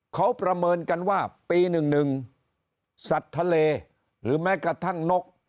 เขาประเมินกันว่าปี๑๑สัตว์ทะเลหรือแม้กระทั่งนก